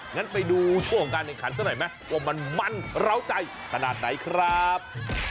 งั้นไปดูช่วงการในขันสักหน่อยไหมว่ามันมันเราใจขนาดไหนครับ